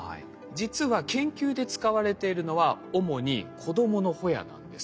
実は研究で使われているのは主に子供のホヤなんです。